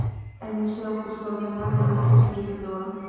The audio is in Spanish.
El museo custodia más de dos mil piezas de oro.